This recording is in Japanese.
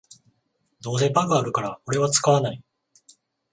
どうせバグあるからオレは使わない